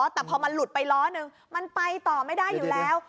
แต่พอมันหลุดไปล้อนึงมันไปต่อไม่ได้อยู่แล้ว